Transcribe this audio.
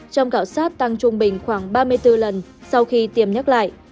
trong cảo sars tăng trung bình khoảng ba mươi bốn lần sau khi tiêm nhắc lại